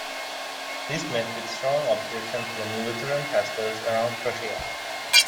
This met with strong objections from Lutheran pastors around Prussia.